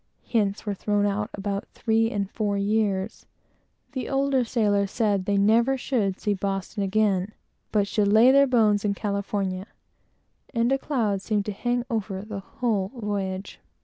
Hints were thrown out about three years and four years; the older sailors said they never should see Boston again, but should lay their bones in California; and a cloud seemed to hang over the whole voyage.